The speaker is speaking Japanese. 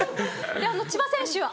千葉選手は。